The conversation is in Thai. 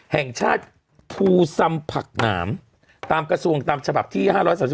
แห่งชาติภูซัมผักหนามตามกระทรวงตามฉบับที่๕๓๒